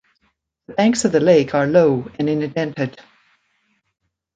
The banks of the lake are low and indented.